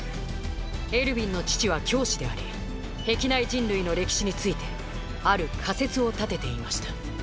エルヴィンの父は教師であり壁内人類の歴史についてある仮説を立てていました